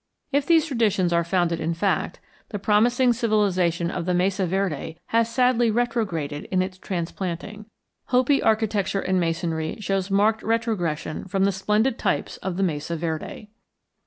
If these traditions are founded in fact, the promising civilization of the Mesa Verde has sadly retrograded in its transplanting. Hopi architecture and masonry shows marked retrogression from the splendid types of the Mesa Verde.